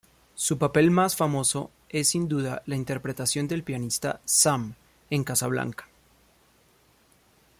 Su papel más famoso es sin duda la interpretación del pianista "Sam" en "Casablanca.